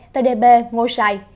tây đề bê ngô sơn